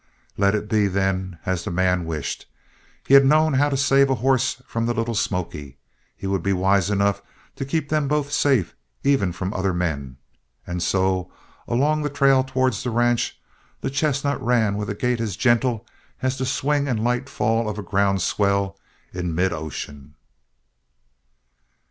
Let it be, then, as the man wished. He had known how to save a horse from the Little Smoky. He would be wise enough to keep them both safe even from other men, and so, along the trail towards the ranch, the chestnut ran with a gait as gentle as the swing and light fall of a ground swell in mid ocean.